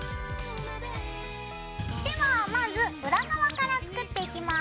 ではまず裏側から作っていきます。